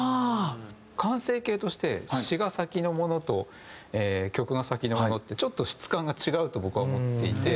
完成形として詞が先のものと曲が先のものってちょっと質感が違うと僕は思っていて。